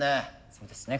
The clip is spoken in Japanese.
そうですね